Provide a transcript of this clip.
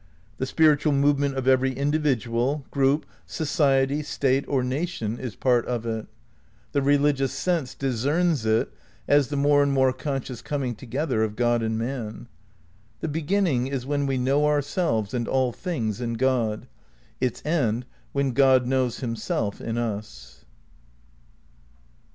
The spiritual movement of every individual, group, society, 310 THE NEW IDEALISM xi State, or nation, is part of it. The religious sense dis cerns it as the more and more conscious coming to gether of God and man. The beginnuig is when we know ourselves and all things in Grod; its end when God knows himself in us.